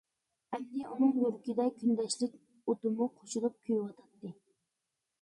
ئەمدى ئۇنىڭ يۈرىكىدە كۈندەشلىك ئوتىمۇ قوشۇلۇپ كۆيۈۋاتاتتى.